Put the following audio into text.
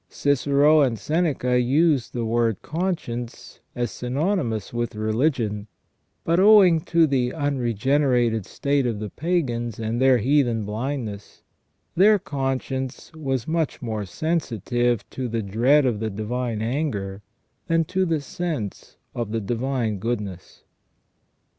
* Cicero and Seneca use the word conscience as synonymous with religion, but owing to the unregenerated state of the pagans and their heathen blindness, their conscience was much more sensitive to the dread of the divine anger than to the sense of the divine goodness.